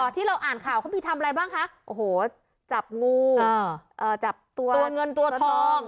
ที่เราอ่านข่าวเขามีทำอะไรบ้างคะโอ้โหจับงูจับตัวตัวเงินตัวทอง